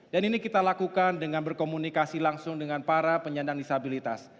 dan ini kita lakukan dengan berkomunikasi langsung dengan para penyandang disabilitas